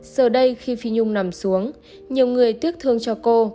giờ đây khi phi nhung nằm xuống nhiều người tiếc thương cho cô